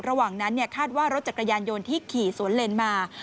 ระหว่างนั้นคาดว่ารถจักรยานยนต์ที่ขี่สวนเลนมา